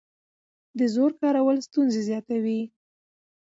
د زور کارول ستونزې زیاتوي